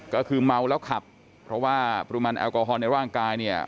ก็คือเมาแล้วขับเพราะว่าปริมาณแอลกอฮอลในร่างกายเนี่ย